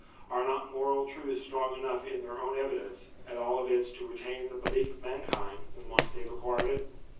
Are not moral truths strong enough in their own evidence, at all events to retain the belief of mankind when once they have acquired it